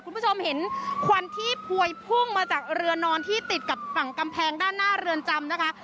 คุณผู้ชมเห็นควันที่พวยพุ่งมาจากเรือนอนที่ติดกับฝั่งกำแพงด้านหน้าเรือนจำนะคะ